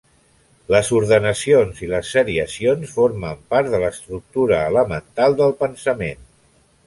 Les ordenacions i les seriacions formen part de l'estructura elemental del pensament.